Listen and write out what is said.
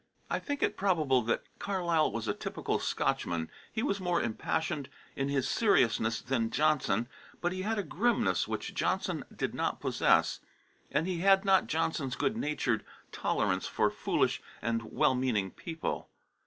I think it probable that Carlyle was a typical Scotchman; he was more impassioned in his seriousness than Johnson, but he had a grimness which Johnson did not possess, and he had not Johnson's good natured tolerance for foolish and well meaning people.